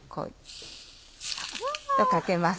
かけます。